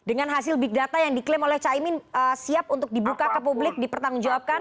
dengan hasil big data yang diklaim oleh caimin siap untuk dibuka ke publik dipertanggungjawabkan